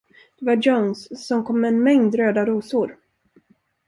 Det var Jones, som kom med en mängd röda rosor.